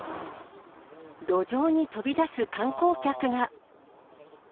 路上に飛び出す観光客が。